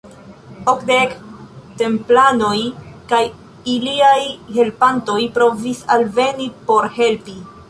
Okdek templanoj kaj iliaj helpantoj provis alveni por helpi.